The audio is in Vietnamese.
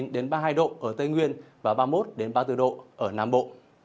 hai mươi chín ba mươi hai độ ở tây nguyên và ba mươi một ba mươi bốn độ ở nam bộ